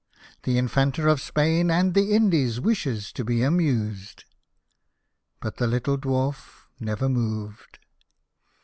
The Infanta of Spain and the Indies wishes to be amused." But the little Dwarf never moved.